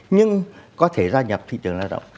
nhưng có thể gia nhập thị trường lao động